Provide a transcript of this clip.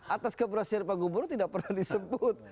atas keberhasilan pak gubernur tidak pernah disebut